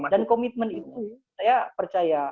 dan komitmen itu saya percaya